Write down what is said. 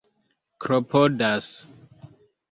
klopodas